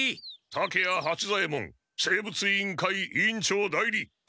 竹谷八左ヱ門生物委員会委員長代理。